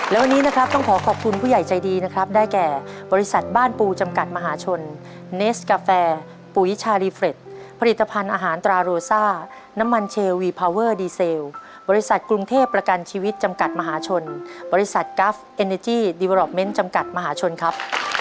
และวันนี้นะครับต้องขอขอบคุณผู้ใหญ่ใจดีนะครับได้แก่บริษัทบ้านปูจำกัดมหาชนเนสกาแฟปุ๋ยชาลีเฟรดผลิตภัณฑ์อาหารตราโรซ่าน้ำมันเชลวีพาวเวอร์ดีเซลบริษัทกรุงเทพประกันชีวิตจำกัดมหาชนบริษัทกราฟเอเนจี้ดีวอรอปเมนต์จำกัดมหาชนครับ